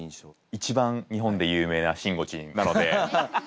一番日本で有名なしんごちんなので。